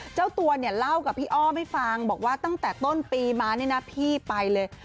เจ้าตัวเนี่ยเล่ากับพี่อ้อมให้ฟังบอกว่าตั้งแต่ต้นปีมาเนี่ยนะพี่ไปเลย